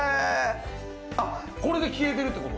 これで消えてるってこと？